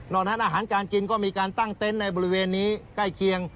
นั้นอาหารการกินก็มีการตั้งเต็นต์ในบริเวณนี้ใกล้เคียง